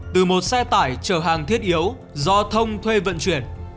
từ một xe tải chở hàng thiết yếu do thông thuê vận chuyển